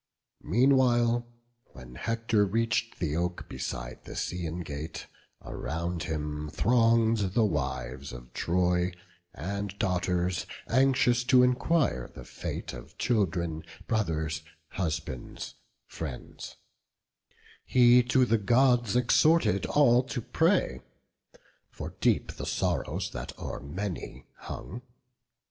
Meanwhile, when Hector reach'd the oak beside The Scaean gate, around him throng'd the wives Of Troy, and daughters, anxious to enquire The fate of children, brothers, husbands, friends; He to the Gods exhorted all to pray, For deep the sorrows that o'er many hung.